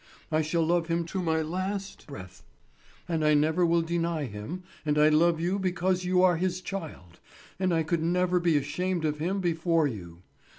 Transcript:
I shall love him to my latest breath, and I never will deny him, and I love you because you are his child, and I could never be ashamed of him before you.